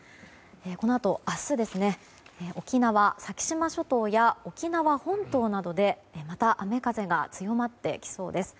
このあと明日、沖縄、先島諸島や沖縄本島などでまた雨風が強まってきそうです。